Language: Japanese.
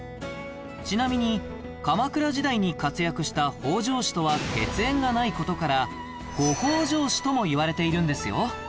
ちなみに鎌倉時代に活躍した北条氏とは血縁がない事から後北条氏ともいわれているんですよ